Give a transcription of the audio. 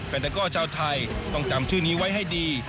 ตะก้อชาวไทยต้องจำชื่อนี้ไว้ให้ดี